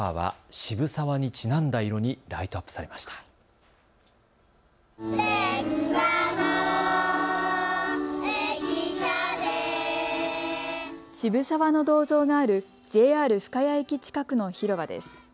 渋沢の銅像があるＪＲ深谷駅近くの広場です。